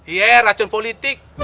iya racun politik